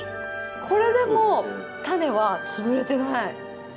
これでも種はつぶれてない。